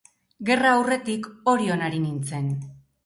Gerra aurretik Orion ari nintzen.